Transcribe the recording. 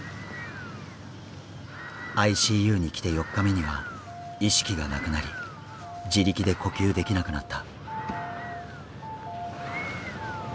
ＩＣＵに来て４日目には意識がなくなり自力で呼吸できなくなった。